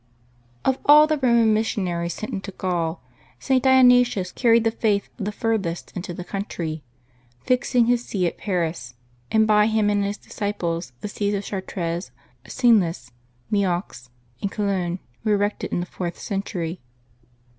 OF all the Roman missionaries sent into Gaul, St. Dionysius carried the Faith the furthest into the country, fixing his see at Paris, and by him and his dis ciples the sees of Chartres, Senlis, Meaux, and Cologne were erected in the fourth century.